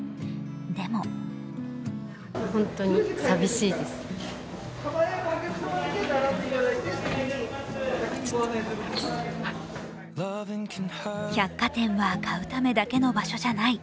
でも百貨店は買うためだけの場所じゃない。